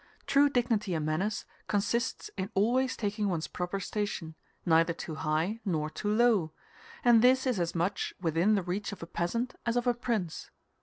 True dignity in manners consists in always taking one's proper station, neither too high nor too low; and this is as much within the reach of a peasant as of a prince.